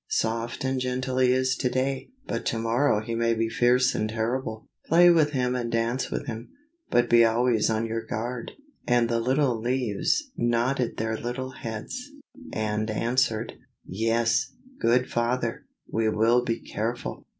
Soft and gentle he is to day, but to morrow he may be fierce and terrible. Play with him and dance with him, but be always on your guard." And the little leaves nodded their little heads, and answered, "Yes, good father, we will be careful."